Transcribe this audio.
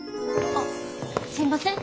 あっすいません